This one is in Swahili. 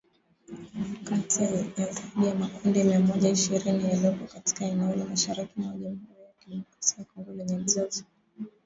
Kati ya zaidi ya makundi mia Moja ishirini yaliyopo katika eneo la mashariki mwa Jamuhuri ya kidemokrasia ya Kongo lenye mzozo